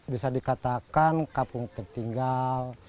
bisa dikatakan kampung tertinggal